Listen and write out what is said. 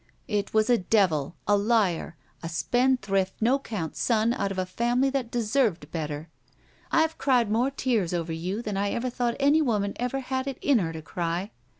It was a devil! A liar! A spendthrift, no 'count son out of a family that deserved better. I've cried more tears over you than I ever thought any woman ever had it in her to cry.